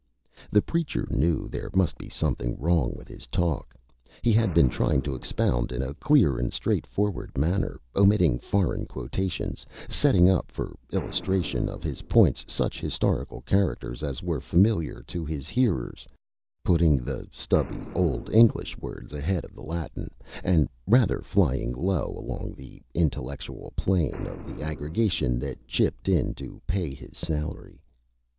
The Preacher knew there must be Something wrong with his Talk. He had been trying to Expound in a clear and straightforward Manner, omitting Foreign Quotations, setting up for illustration of his Points such Historical Characters as were familiar to his Hearers, putting the stubby Old English words ahead of the Latin, and rather flying low along the Intellectual Plane of the Aggregation that chipped in to pay his Salary.